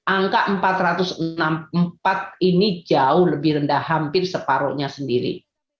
angka empat ratus enam puluh empat ini jauh lebih rendah hampir separuhnya sendiri